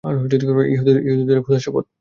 ইহুদীদের খোদার শপথ।